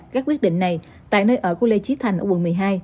các quyết định này tại nơi ở của lê trí thành ở quận một mươi hai